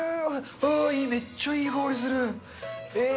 うー、いい、めっちゃいい香りするー。